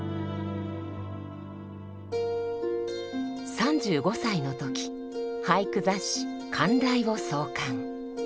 ３５歳の時俳句雑誌「寒雷」を創刊。